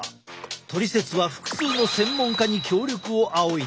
「トリセツ」は複数の専門家に協力を仰いだ。